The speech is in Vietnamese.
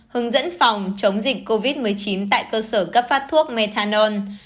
hướng dẫn phòng chống dịch covid một mươi chín tại cơ sở cấp phát thuốc methanol